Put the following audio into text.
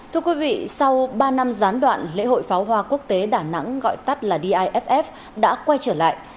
thưa quý vị sau ba năm gián đoạn lễ hội pháo hoa quốc tế đà nẵng gọi tắt là diff đã quay trở lại